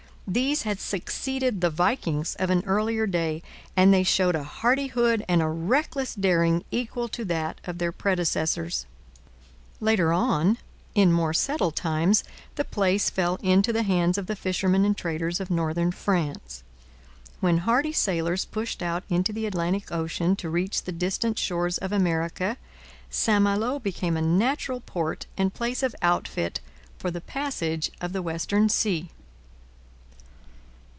These had succeeded the Vikings of an earlier day, and they showed a hardihood and a reckless daring equal to that of their predecessors. Later on, in more settled times, the place fell into the hands of the fishermen and traders of northern France. When hardy sailors pushed out into the Atlantic ocean to reach the distant shores of America, St Malo became a natural port and place of outfit for the passage of the western sea.